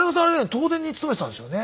東電に勤めてたんですよね。